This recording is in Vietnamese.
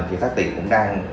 thì phát tỉnh cũng đang